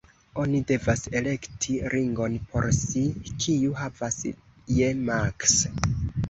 Oni devas elekti ringon por si, kiu havas je maks.